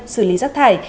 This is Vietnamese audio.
xử lý rác thải